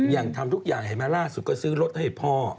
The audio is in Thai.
อย่างทำทุกอย่างเห็นไหมล่าสุดก็ซื้อรถให้พ่อ